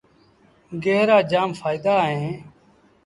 گيه رآ جآم ڦآئيدآ اوهيݩ۔